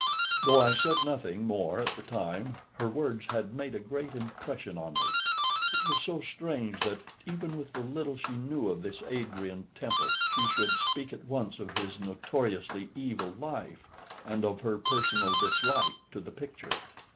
Though I said nothing more at the time, her words had made a great impression on me. It was so strange that, even with the little she knew of this Adrian Temple, she should speak at once of his notoriously evil life, and of her personal dislike to the picture.